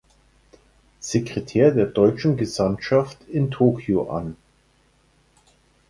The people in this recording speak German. Sekretär der deutschen Gesandtschaft in Tokyo an.